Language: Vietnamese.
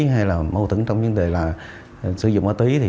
hay là mâu tửng trong vấn đề là sử dụng ma túy